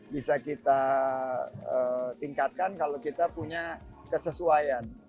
bisa kita tingkatkan kalau kita punya kesesuaian